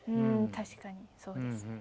確かにそうですね。